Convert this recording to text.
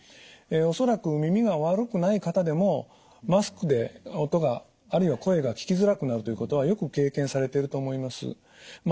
恐らく耳が悪くない方でもマスクで音があるいは声が聞きづらくなるということはよく経験されてると思います。